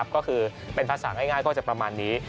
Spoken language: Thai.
ก็คือเป็นภาษาง่ายก็จะประมาณนี้